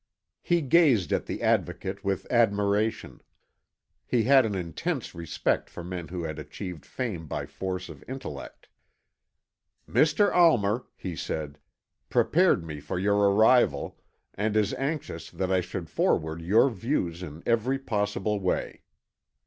He gazed at the Advocate with admiration; he had an intense respect for men who had achieved fame by force of intellect. "Mr. Almer," he said, "prepared me for your arrival, and is anxious that I should forward your views in every possible way.